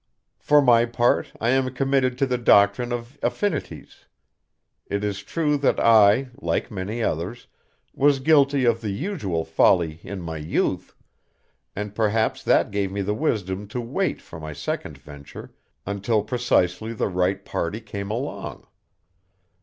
For my part I am committed to the doctrine of affinities. It is true that I, like many others, was guilty of the usual folly in my youth, and perhaps that gave me the wisdom to wait for my second venture until precisely the fight party came along.